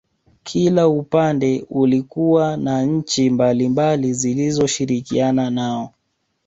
Kila upande ulikuwa na nchi mbalimbali zilizoshirikiana nao